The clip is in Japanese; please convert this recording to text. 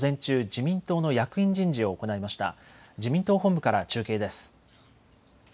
自民党本部から中継です。